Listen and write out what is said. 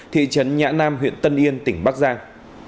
thị trấn nhã nam huyện tân yên tỉnh bắc giang